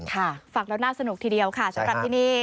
ค่ะฟังแล้วน่าสนุกทีเดียวค่ะสำหรับที่นี่